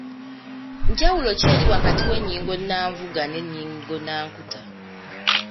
Njawulo ki eri wakati w’ennyingo nnanvuga n’ennyingo nnankuta?